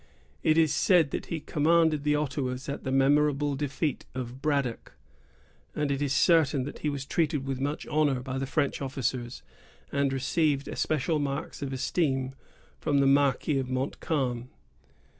It is said that he commanded the Ottawas at the memorable defeat of Braddock; and it is certain that he was treated with much honor by the French officers, and received especial marks of esteem from the Marquis of Montcalm.